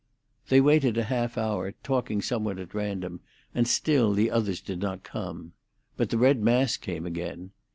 They waited a half hour, talking somewhat at random, and still the others did not come. But the red mask came again.